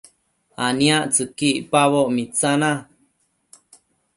aniactsëqui icpaboc mitsana